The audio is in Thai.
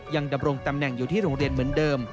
ดำรงตำแหน่งอยู่ที่โรงเรียนเหมือนเดิม